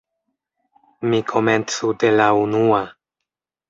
Mi komencu de la unua.